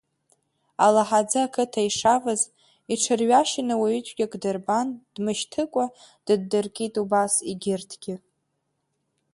Алаҳаӡы ақыҭа ишаваз иҽырҩашьаны уаҩы-цәгьак дырбан, дмышьҭыкәа дыддыркит убас егьырҭгьы.